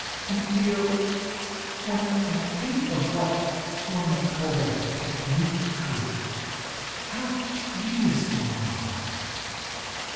And, Theo, when I think of what one might call "the technique crew" how tedious they all are!